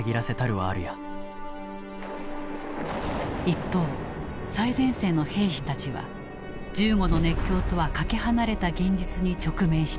一方最前線の兵士たちは銃後の熱狂とはかけ離れた現実に直面していた。